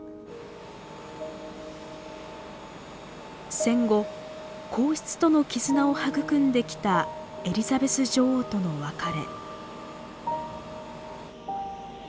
戦後皇室との絆を育んできたエリザベス女王との別れ。